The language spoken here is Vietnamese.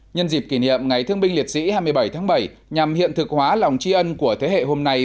nhân dịp kỷ niệm ngày thương binh liệt sĩ hai mươi bảy tháng bảy nhằm hiện thực hóa lòng tri ân của thế hệ hôm nay